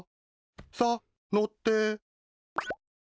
さあ乗って。